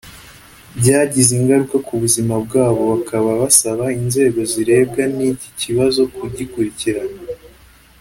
byagize ingaruka ku buzima bwabo bakaba basaba inzego zirebwa n’iki kibazo kugikurikirana